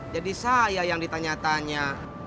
jadi saya yang ditanya tanya